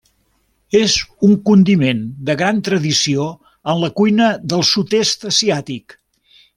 És un condiment de gran tradició en la cuina del sud-est asiàtic.